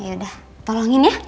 ya udah tolongin ya